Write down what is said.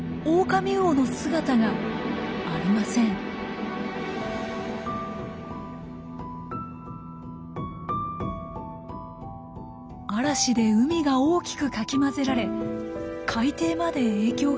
嵐で海が大きくかき混ぜられ海底まで影響があったようです。